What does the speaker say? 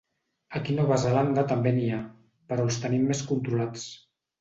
Aquí a Nova Zelanda també n'hi ha, però els tenim més controlats.